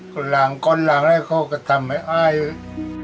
ก็หลานก่อนหลานอะไรเขาก็ทำให้อ้ายเลย